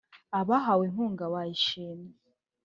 Abahawe inkunga bayishimiye